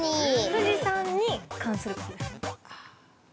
◆富士山に関することですか。